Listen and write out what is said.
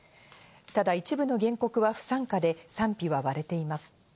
ただ、一部の原告は不参加で、賛否は割れています。